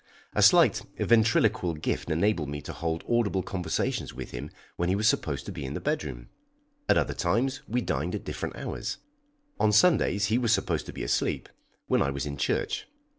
A slight ventriloquial gift enabled me to hold audible conversations with him when he was supposed to be in the bedroom. At other times we dined at different hours. On Sundays he was supposed to be asleep when I was in church.